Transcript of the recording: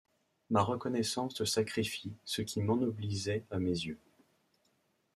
Ma reconnaissance te sacrifie ce qui m'ennoblissait à mes yeux !